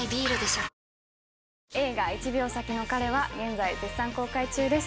映画『１秒先の彼』は現在絶賛公開中です。